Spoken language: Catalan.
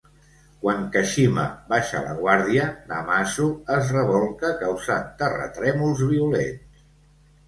Quan Kashima baixa la guàrdia, Namazu es rebolca causant terratrèmols violents.